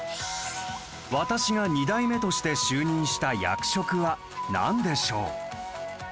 私が２代目として就任した役職はなんでしょう？